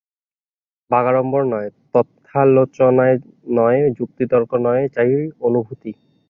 বাগাড়ম্বর নয়, তত্ত্বালোচনা নয়, যুক্তিতর্ক নয়, চাই অনুভূতি।